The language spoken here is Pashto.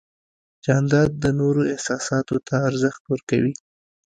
جانداد د نورو احساساتو ته ارزښت ورکوي.